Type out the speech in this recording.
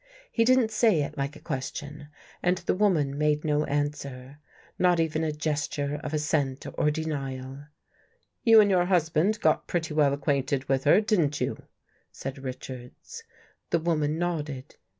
He didn't say it like a question and the woman made no answer. Not even a gesture of assent or denial. " You and your husband got pretty well ac quainted with her, didn't you?" said Richards. The woman nodded.